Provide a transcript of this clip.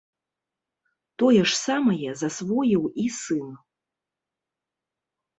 Тое ж самае засвоіў і сын.